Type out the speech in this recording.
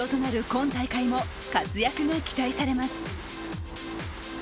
今大会も活躍が期待されます。